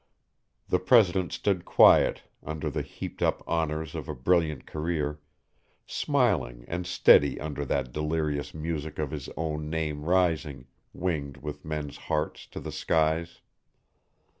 The president stood quiet, under the heaped up honors of a brilliant career, smiling and steady under that delirious music of his own name rising, winged with men's hearts, to the skies.